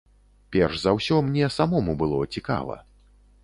Перш за ўсё, мне самому было цікава.